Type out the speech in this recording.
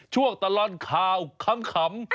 ช่วงตลอดข่าวขำ